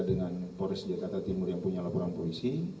dengan polres jakarta timur yang punya laporan polisi